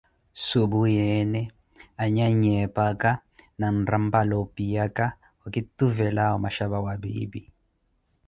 supuyeene anyanyi eepaka na nrampala opiyaka, okituvelawo omachapa wa piipi.